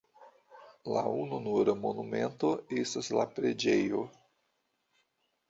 La ununura monumento estas la preĝejo.